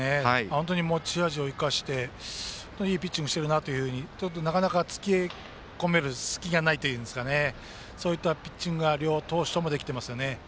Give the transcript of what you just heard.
本当に持ち味を生かして本当にいいピッチングしていてつけ込める隙がないというそういったピッチングが両投手ともできていますね。